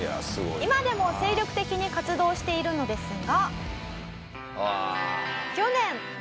「今でも精力的に活動しているのですが」